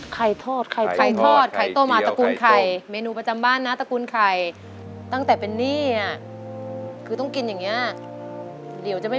ไข่ทอดไข่ต้มไข่ยาวไข่ต้มใกล้เกี่ยวไข่ต้มไมนูประจำบ้านนะตระกุญไข่ตั้งแต่เป็นหนี้อ่ะคือต้องกินอย่างเงี้ยเดี๋ยวจะไม่มี